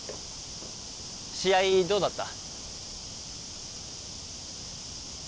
試合どうだった？